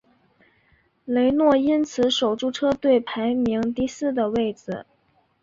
雷诺因此守住车队排名第四的位子。